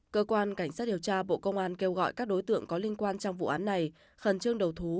cơ quan cảnh sát điều tra bộ công an kêu gọi các đối tượng có liên quan trong vụ án này khẩn trương đầu thú